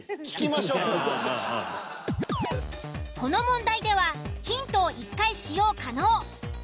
この問題ではヒントを１回使用可能。